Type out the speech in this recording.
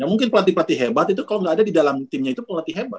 mungkin pelatih pelatih hebat itu kalau nggak ada di dalam timnya itu pelatih hebat